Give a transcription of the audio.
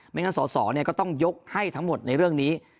งั้นสอสอก็ต้องยกให้ทั้งหมดในเรื่องนี้